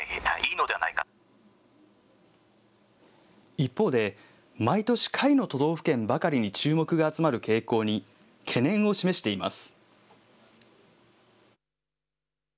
一方で、毎年、下位の都道府県ばかりに注目が集まる傾向に懸念を示しています。